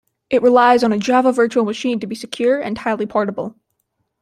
It relies on a Java virtual machine to be secure and highly portable.